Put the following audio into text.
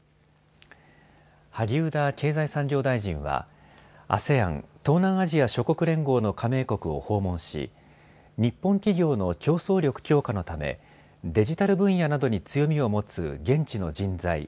萩生田経済産業大臣はＡＳＥＡＮ・東南アジア諸国連合の加盟国を訪問し、日本企業の競争力強化のためデジタル分野などに強みを持つ現地の人材